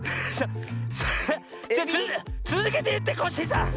それつづけていってコッシーさん！